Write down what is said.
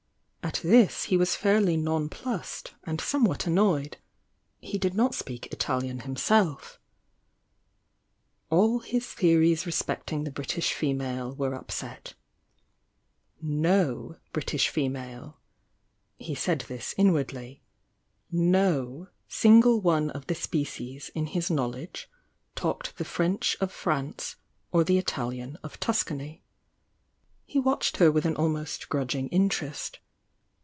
At this he was fairly non plussed and somewhat annoyed— he did not speak Italian hunself . All his theories respecting the Brit ish female were upset. No British female— he said ln„U1^'"^lV!?i'"?!^ °"®°^ t*>^ species in his laiowledge, talked the French of France, or the Ital ian of Tuscany. He watched her with an ahnost grudgmg mterest.